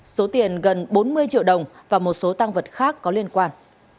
số tiền gần bốn mươi triệu đồng và một số tăng vật khác có liên quan